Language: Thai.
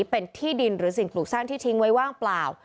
เป็นที่ดินหรือสิ่งปลูกสร้างที่ทิ้งไว้ว่างเปล่า